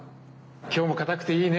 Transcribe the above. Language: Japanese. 今日もかたくていいね。